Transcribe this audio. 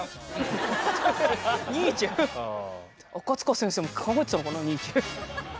赤塚先生も考えてたのかなニーチェ。